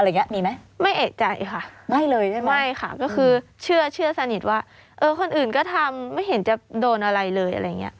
อะไรอย่างนี้มีไหมไม่เอกใจค่ะไม่ค่ะก็คือเชื่อสนิทว่าคนอื่นก็ทำไม่เห็นจะโดนอะไรเลย